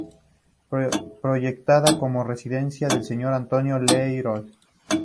Proyectada como residencia del señor Antonio Leloir.